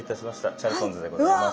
チャルソンズでございます。